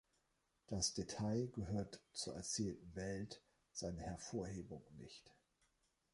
Das Detail gehört zur erzählten Welt, seine Hervorhebung nicht.